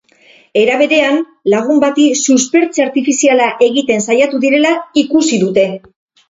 Era berean, lagun bati suspertze-artifiziala egiten saiatu direla ikusi dute.